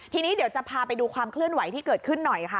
ทีนี้เดี๋ยวจะพาไปดูความเคลื่อนไหวที่เกิดขึ้นหน่อยค่ะ